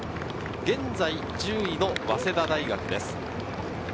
現在１０位の早稲田大学です。